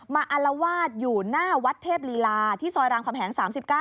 อารวาสอยู่หน้าวัดเทพลีลาที่ซอยรามคำแหง๓๙